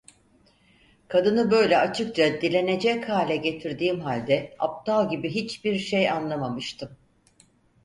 Kadını böyle açıkça dilenecek hale getirdiğim halde aptal gibi hiçbir şey anlamamıştım.